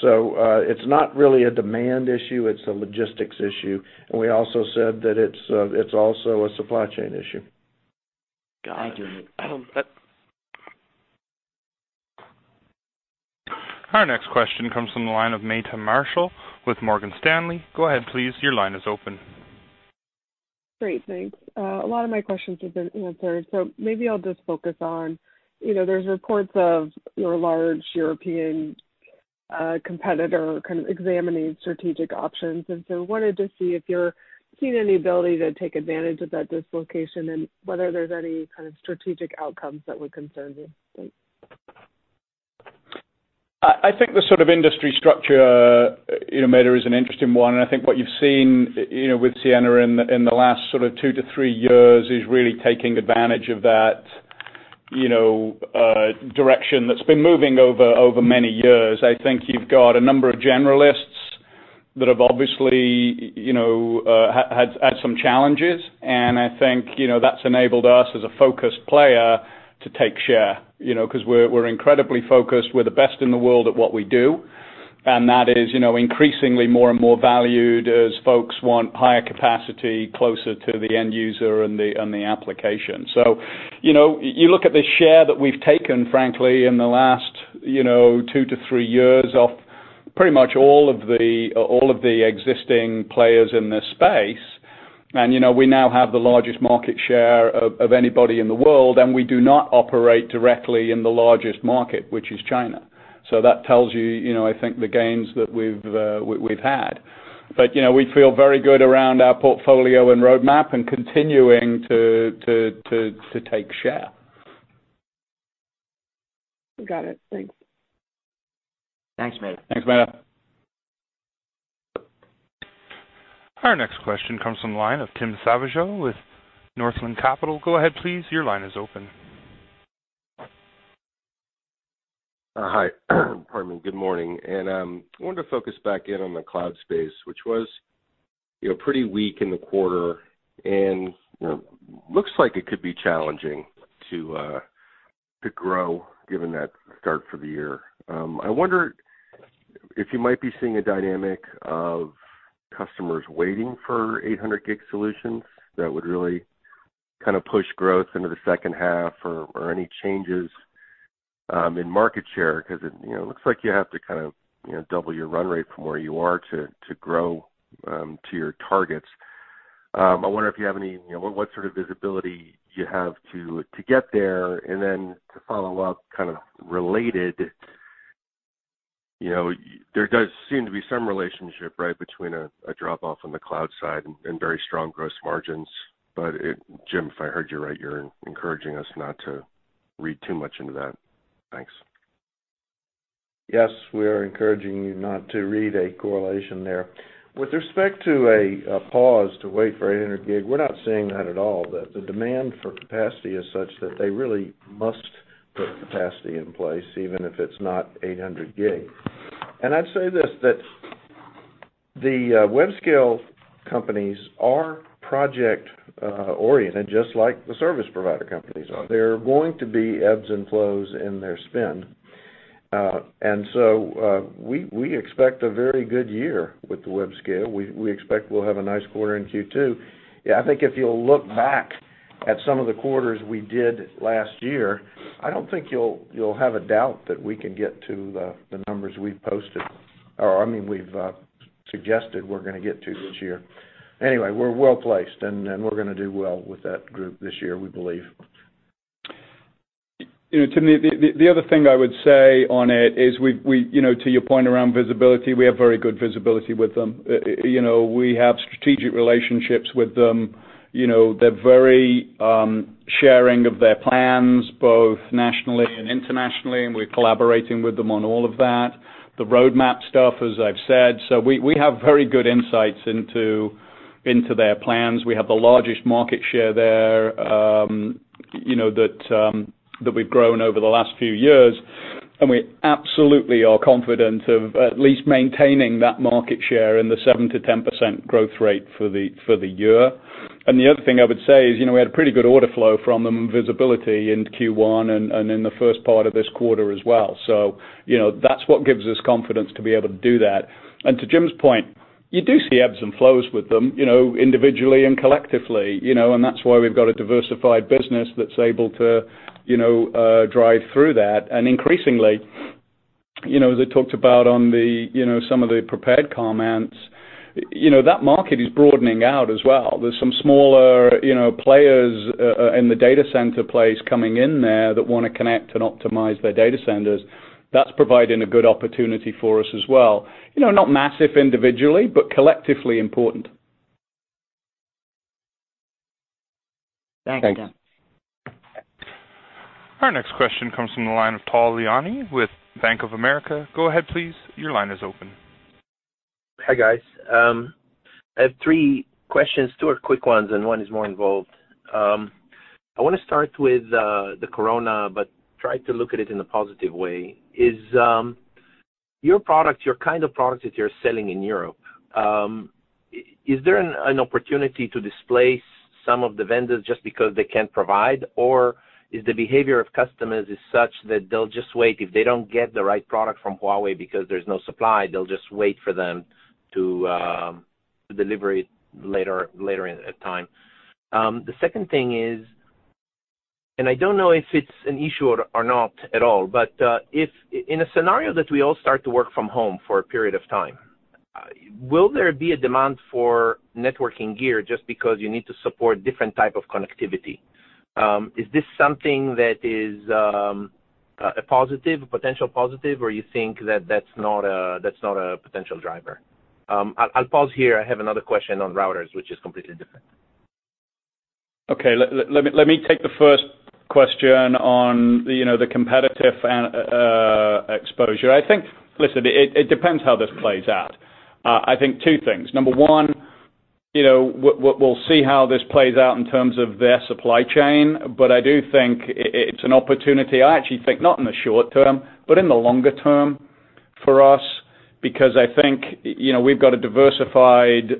So it's not really a demand issue. It's a logistics issue. And we also said that it's also a supply chain issue. Got it. Our next question comes from the line of Meta Marshall with Morgan Stanley. Go ahead, please. Your line is open. Great. Thanks. A lot of my questions have been answered. So maybe I'll just focus on there's reports of your large European competitor kind of examining strategic options. And so I wanted to see if you're seeing any ability to take advantage of that dislocation and whether there's any kind of strategic outcomes that would concern you. I think the sort of industry structure in America is an interesting one. And I think what you've seen with Ciena in the last sort of two to three years is really taking advantage of that direction that's been moving over many years. I think you've got a number of generalists that have obviously had some challenges. And I think that's enabled us as a focused player to take share because we're incredibly focused. We're the best in the world at what we do. And that is increasingly more and more valued as folks want higher capacity closer to the end user and the application. So you look at the share that we've taken, frankly, in the last two to three years off pretty much all of the existing players in this space. And we now have the largest market share of anybody in the world, and we do not operate directly in the largest market, which is China. So that tells you, I think, the gains that we've had. But we feel very good around our portfolio and roadmap and continuing to take share. Got it. Thanks. (audio distortion) Our next question comes from the line of Tim Savageaux with Northland Capital. Go ahead, please. Your line is open. Hi. Pardon me. Good morning. And I wanted to focus back in on the cloud space, which was pretty weak in the quarter and looks like it could be challenging to grow given that start for the year. I wonder if you might be seeing a dynamic of customers waiting for 800G solutions that would really kind of push growth into the second half or any changes in market share because it looks like you have to kind of double your run rate from where you are to grow to your targets. I wonder what sort of visibility you have to get there and then to follow up kind of related. There does seem to be some relationship, right, between a drop-off on the cloud side and very strong gross margins. But Jim, if I heard you right, you're encouraging us not to read too much into that. Thanks. Yes, we are encouraging you not to read a correlation there. With respect to a pause to wait for 800 gig, we're not seeing that at all. The demand for capacity is such that they really must put capacity in place even if it's not 800 gig. And I'd say this: the webscale companies are project-oriented just like the service provider companies are. There are going to be ebbs and flows in their spend. And so we expect a very good year with the webscale. We expect we'll have a nice quarter in Q2. Yeah, I think if you'll look back at some of the quarters we did last year, I don't think you'll have a doubt that we can get to the numbers we've posted or, I mean, we've suggested we're going to get to this year. Anyway, we're well placed, and we're going to do well with that group this year, we believe. Tim, the other thing I would say on it is, to your point around visibility, we have very good visibility with them. We have strategic relationships with them. They're very sharing of their plans both nationally and internationally, and we're collaborating with them on all of that. The roadmap stuff, as I've said, so we have very good insights into their plans. We have the largest market share there that we've grown over the last few years. And we absolutely are confident of at least maintaining that market share and the 7%-10% growth rate for the year. And the other thing I would say is we had a pretty good order flow from them and visibility in Q1 and in the first part of this quarter as well. So that's what gives us confidence to be able to do that. And to Jim's point, you do see ebbs and flows with them individually and collectively. And that's why we've got a diversified business that's able to drive through that. And increasingly, as I talked about on some of the prepared comments, that market is broadening out as well. There's some smaller players in the data center place coming in there that want to connect and optimize their data centers. That's providing a good opportunity for us as well. Not massive individually, but collectively important. Thanks, guys. Our next question comes from the line of Tal Liani with Bank of America. Go ahead, please. Your line is open. Hi, guys. I have three questions, two are quick ones, and one is more involved. I want to start with the coronavirus but try to look at it in a positive way. Is your product, your kind of product that you're selling in Europe, is there an opportunity to displace some of the vendors just because they can't provide? Or is the behavior of customers such that they'll just wait? If they don't get the right product from Huawei because there's no supply, they'll just wait for them to deliver it later at a time? The second thing is, and I don't know if it's an issue or not at all, but in a scenario that we all start to work from home for a period of time, will there be a demand for networking gear just because you need to support different types of connectivity? Is this something that is a potential positive, or you think that that's not a potential driver? I'll pause here. I have another question on routers, which is completely different. Okay. Let me take the first question on the competitive exposure. I think, listen, it depends how this plays out. I think two things. Number one, we'll see how this plays out in terms of their supply chain, but I do think it's an opportunity. I actually think not in the short term, but in the longer term for us because I think we've got a diversified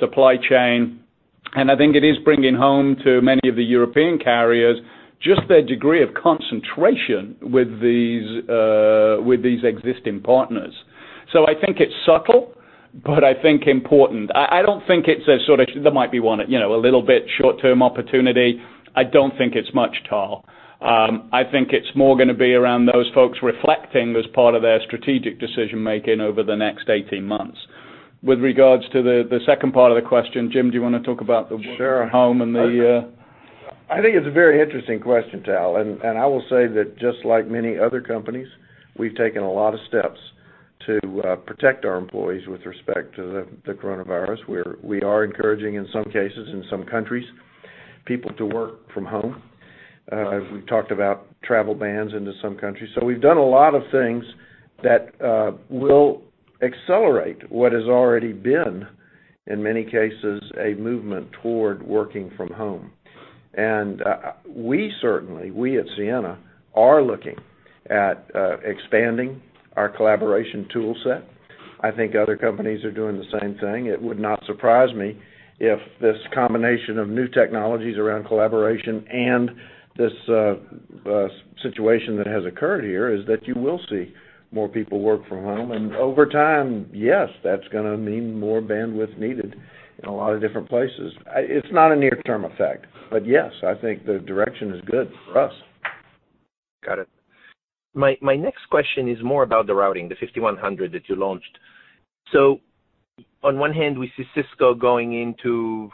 supply chain, and I think it is bringing home to many of the European carriers just their degree of concentration with these existing partners. So I think it's subtle, but I think important. I don't think it's a sort of there might be a little bit short-term opportunity. I don't think it's much at all. I think it's more going to be around those folks reflecting as part of their strategic decision-making over the next 18 months. With regards to the second part of the question, Jim, do you want to talk about the work from home and the...? Sure. I think it's a very interesting question, Tal, and I will say that just like many other companies, we've taken a lot of steps to protect our employees with respect to the coronavirus. We are encouraging in some cases in some countries people to work from home. We've talked about travel bans into some countries, so we've done a lot of things that will accelerate what has already been, in many cases, a movement toward working from home, and we certainly, we at Ciena, are looking at expanding our collaboration toolset. I think other companies are doing the same thing. It would not surprise me if this combination of new technologies around collaboration and this situation that has occurred here is that you will see more people work from home, and over time, yes, that's going to mean more bandwidth needed in a lot of different places. It's not a near-term effect, but yes, I think the direction is good for us. Got it. My next question is more about the routing, the 5100 that you launched. So on one hand, we see Cisco going into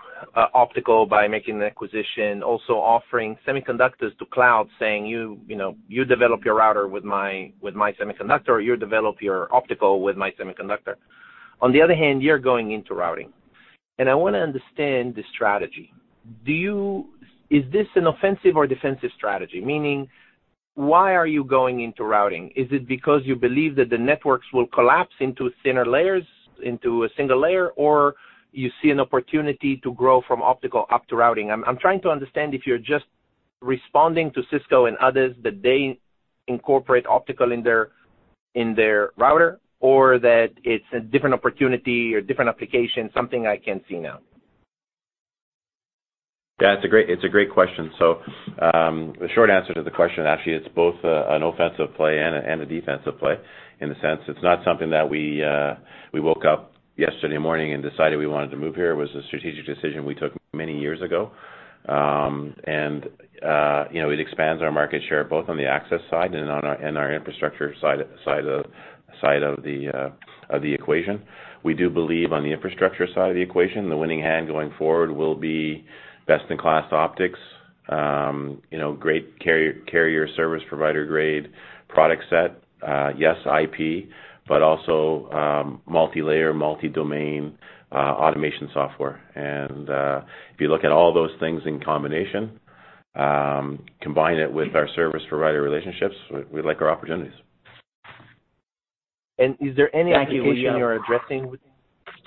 optical by making an acquisition, also offering semiconductors to cloud saying, "You develop your router with my semiconductor, or you develop your optical with my semiconductor." On the other hand, you're going into routing. And I want to understand the strategy. Is this an offensive or defensive strategy? Meaning, why are you going into routing? Is it because you believe that the networks will collapse into thinner layers, into a single layer, or you see an opportunity to grow from optical up to routing? I'm trying to understand if you're just responding to Cisco and others that they incorporate optical in their router or that it's a different opportunity or different application, something I can't see now. Yeah, it's a great question. So the short answer to the question, actually, it's both an offensive play and a defensive play in the sense it's not something that we woke up yesterday morning and decided we wanted to move here. It was a strategic decision we took many years ago. And it expands our market share both on the access side and on our infrastructure side of the equation. We do believe on the infrastructure side of the equation, the winning hand going forward will be best-in-class optics, great carrier service provider-grade product set, yes, IP, but also multi-layer, multi-domain automation software. And if you look at all those things in combination, combine it with our service provider relationships, we like our opportunities. And is there any acquisition you're addressing with?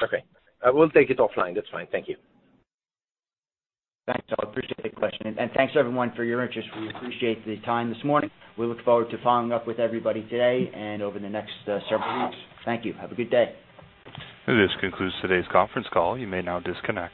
Okay. We'll take it offline. That's fine. Thank you. Thanks, Tal. Appreciate the question. And thanks, everyone, for your interest. We appreciate the time this morning. We look forward to following up with everybody today and over the next several weeks. Thank you. Have a good day. This concludes today's conference call. You may now disconnect.